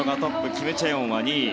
キム・チェヨンは２位。